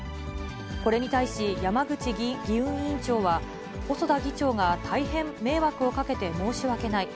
これに対し、山口議運委員長は、細田議長が大変迷惑をかけて申し訳ない。